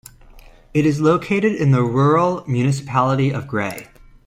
It is located in the Rural Municipality of Grey.